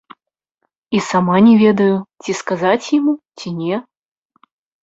І сама не ведаю, ці сказаць яму ці не?